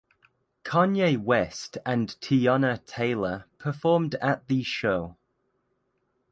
Kanye West and Teyana Taylor performed at the show.